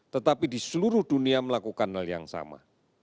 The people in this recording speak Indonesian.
tetapi di seluruh dunia melakukan hal yang sama